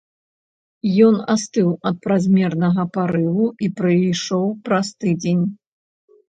Ён астыў ад празмернага парыву і прыйшоў праз тыдзень.